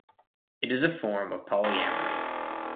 It is a form of polyamory.